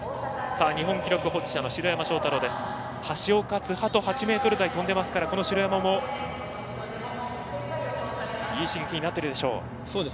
日本記録保持者の城山正太郎橋岡、津波と８ｍ台を跳んでいますからこの城山もいい刺激になっているでしょう。